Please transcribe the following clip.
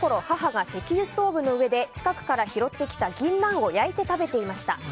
母が石油ストーブの上で近くから拾ってきた銀杏を焼いて食べていました。